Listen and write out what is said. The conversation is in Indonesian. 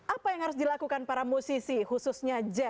apa yang harus dilakukan para musisi khususnya jack